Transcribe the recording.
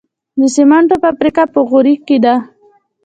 د سمنټو فابریکه په غوري کې ده